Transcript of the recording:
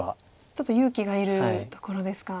ちょっと勇気がいるところですか。